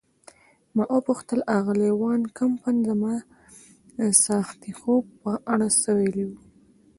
ما وپوښتل: آغلې وان کمپن زما د څاښتي خوب په اړه څه ویلي وو؟